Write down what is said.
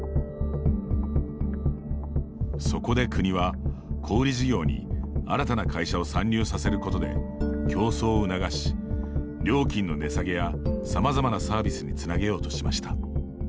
そこで国は、小売り事業に新たな会社を参入させることで競争を促し、料金の値下げやさまざまなサービスにつなげようとしました。